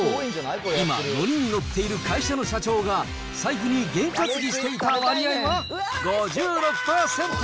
今、乗りに乗っている会社の社長が財布にゲン担ぎしていた割合は５６％。